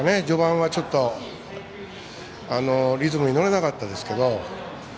序盤はちょっとリズムに乗れなかったですけど。